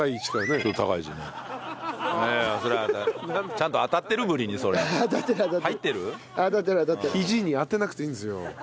ひじに当てなくていいんですよ。